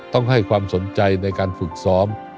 ต้องให้ความสนใจในการฝึกซ้อม